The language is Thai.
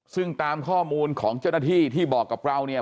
ซึ่งตามข้อมูลของเจ้าหน้าที่ที่บอกกับเราเนี่ย